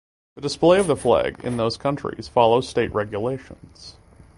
The display of the flag in those countries follows state regulations.